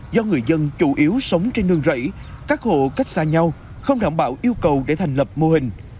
do người dân chủ yếu sống trên nương rẫy các hộ cách xa nhau không đảm bảo yêu cầu để thành lập mô hình